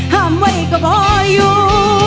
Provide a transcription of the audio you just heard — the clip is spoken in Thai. ห้ามไว้ก็พออยู่